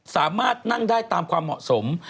สามารถนั่งได้ตามความเหมาะสม